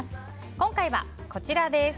今回はこちらです。